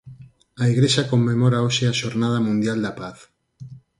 A Igrexa conmemora hoxe a Xornada Mundial da Paz.